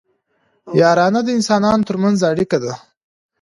یارانه د انسانانو ترمنځ اړیکه ده